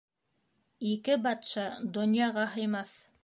Ике батша донъяға һыймаҫ.